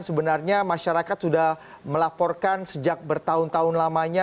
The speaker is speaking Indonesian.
sebenarnya masyarakat sudah melaporkan sejak bertahun tahun lamanya